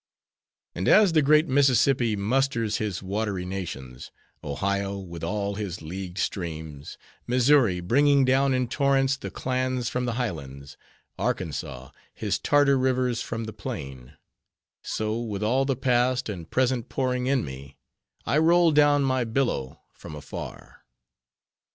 And as the great Mississippi musters his watery nations: Ohio, with all his leagued streams; Missouri, bringing down in torrents the clans from the highlands; Arkansas, his Tartar rivers from the plain;—so, with all the past and present pouring in me, I roll down my billow from afar.